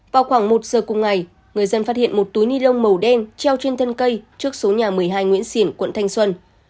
vào khoảng một giờ cùng ngày người dân phát hiện một túi ni lông màu đen treo trên thân cây trước số nhà một mươi hai nguyễn xiển quận thanh xuân